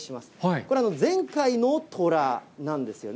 これ、前回のとらなんですよね。